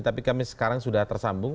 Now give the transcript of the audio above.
tapi kami sekarang sudah tersambung